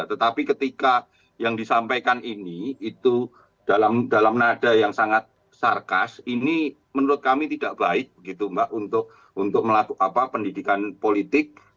tetapi ketika yang disampaikan ini itu dalam nada yang sangat sarkas ini menurut kami tidak baik begitu mbak untuk melakukan pendidikan politik